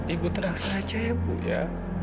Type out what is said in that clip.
ibu tenang saja ibu ya